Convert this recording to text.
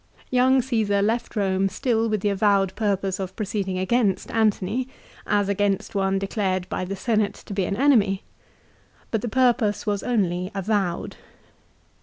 Young Caesar left Eome still with the avowed purpose of proceeding against Antony, as against one declared by the Senate to be an enemy ; but the purpose was only avowed.